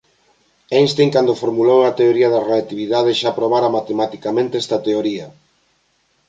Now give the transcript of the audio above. Einstein cando formulou a teoría da relatividade xa probara matematicamente esta teoría.